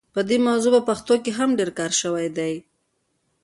په دې موضوع په پښتو کې هم ډېر کار شوی دی.